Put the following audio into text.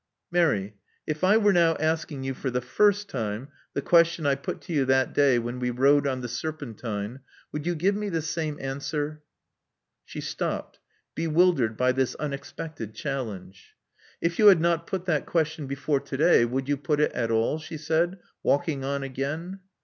Mary: if I were now asking you for the first time the question I put to you that day when we rowed on the Serpentine, would you give me the same answer?" She stopped, bewildered by this unexpected challenge. If you had not put that question ' before today, would you put it at all?" she said, walking on again.